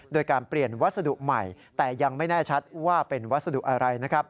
โดยการเปลี่ยนวัสดุใหม่แต่ยังไม่แน่ชัดว่าเป็นวัสดุอะไรนะครับ